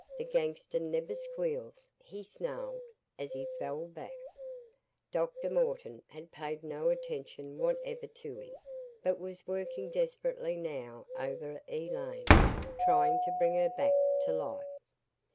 "The gangster never squeals," he snarled, as he fell back. Dr. Morton had paid no attention whatever to him, but was working desperately now over Elaine, trying to bring her back to life.